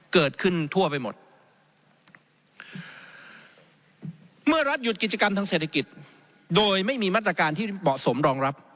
เกิดขึ้นทั่วไปหมดเมื่อรัฐหยุดกิจกรรมทางเศรษฐกิจโดยไม่มีมาตรการที่เหมาะสมรองรับ